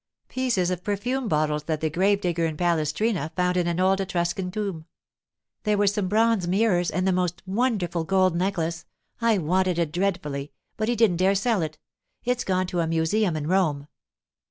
'Pieces of perfume bottles that the grave digger in Palestrina found in an old Etruscan tomb. There were some bronze mirrors, and the most wonderful gold necklace—I wanted it dreadfully, but he didn't dare sell it; it's gone to a museum in Rome.